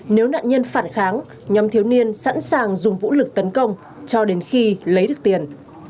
nếu nạn nhân phản kháng nhóm thiếu niên sẵn sàng dùng vũ lực tấn công cho đến khi lấy được tiền